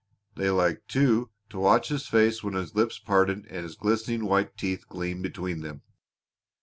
They liked, too, to watch his face when his lips parted and his glistening white teeth gleamed between them.